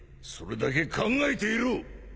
それだけ考えていろ！